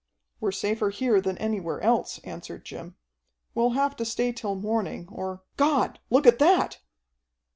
"We're safer here than anywhere else," answered Jim. "We'll have to stay till morning, or God, look at that!"